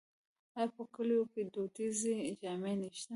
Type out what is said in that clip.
آیا په کلیو کې دودیزې جامې نشته؟